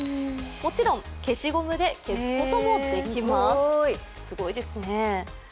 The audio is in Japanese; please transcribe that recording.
もちろん消しゴムで消すこともできます、すごいですね。